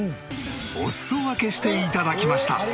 お裾分けして頂きました！